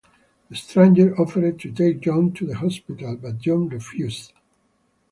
The stranger offered to take John to the hospital, but John refused.